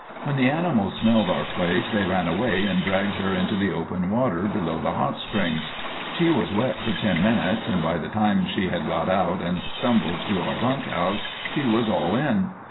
When the animals smelled our place they ran away and dragged her into the open water below the hot springs. She was wet for ten minutes, and by the time she had got out and stumbled to our bunk house she was all in.